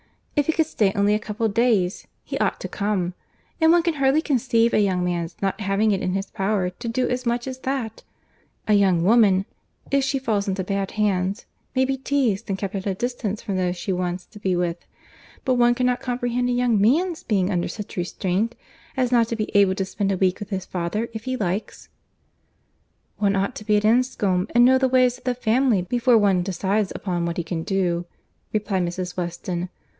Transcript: "If he could stay only a couple of days, he ought to come; and one can hardly conceive a young man's not having it in his power to do as much as that. A young woman, if she fall into bad hands, may be teased, and kept at a distance from those she wants to be with; but one cannot comprehend a young man's being under such restraint, as not to be able to spend a week with his father, if he likes it." "One ought to be at Enscombe, and know the ways of the family, before one decides upon what he can do," replied Mrs. Weston.